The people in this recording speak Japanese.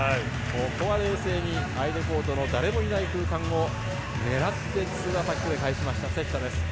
ここは冷静に相手コートの誰もいない空間を狙ってツーアタックで返しました、関田です。